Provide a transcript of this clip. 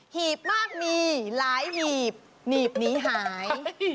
ีบมากมีหลายหีบหนีบหนีหาย